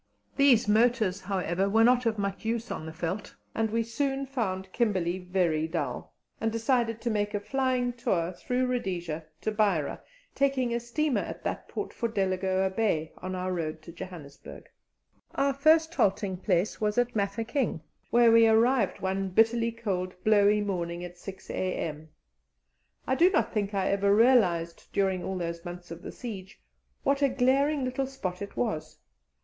These motors, however, were not of much use on the veldt, and we soon found Kimberley very dull, and decided to make a flying tour through Rhodesia to Beira, taking a steamer at that port for Delagoa Bay, on our road to Johannesburg. Our first halting place was at Mafeking, where we arrived one bitterly cold, blowy morning at 6 a.m. I do not think I ever realized, during all those months of the siege, what a glaring little spot it was.